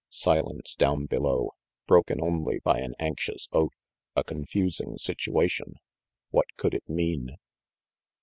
Silence down below, broken only by an anxious oath a confusing situation. What could it mean?